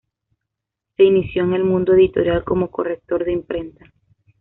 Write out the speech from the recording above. Se inició en el mundo editorial como corrector de imprenta.